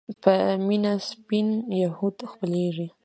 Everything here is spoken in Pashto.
په مينه سپين يهود خپلېږي